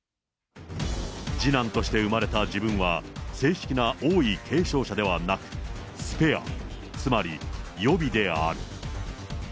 次男として生まれた自分は、正式な王位継承者ではなく、スペア、つまり予備である。